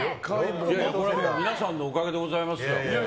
皆さんのおかげでございます。